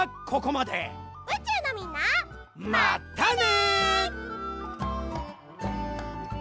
まったね！